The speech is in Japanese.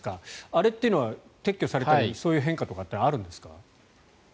あれというのは撤去されたりそういう変化というのはあるんですか？